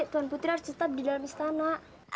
tuan putri harus tetap di dalam istana